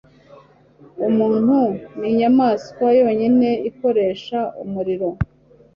Umuntu ninyamaswa yonyine ikoresha umuriro